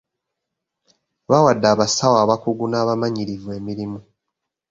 Bawadde abasawo abakugu n'abamanyirivu emirimu.